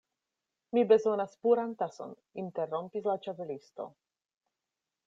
"Mi bezonas puran tason," interrompis la Ĉapelisto.